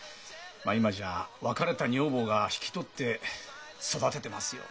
今じゃ別れた女房が引き取って育ててますよ。